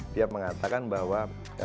dia mengatakan bahwa